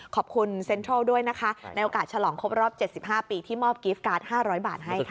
ขอบคุณเซ็นทรัลด้วยนะคะในโอกาสฉลองครบรอบ๗๕ปีที่มอบกรีฟการ์ด๕๐๐บาทให้ค่ะ